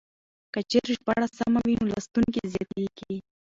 که چېرې ژباړه سمه وي نو لوستونکي زياتېږي.